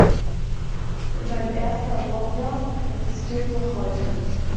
Sein erster Wobbler existiert noch heute.